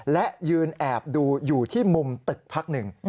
และยืนแอบดูอยู่ที่มุมตึกพักหนึ่ง